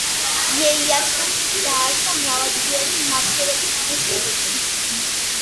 იეიასუმ დააარსა მრავალწლიანი მმართველობის ინსტიტუტი.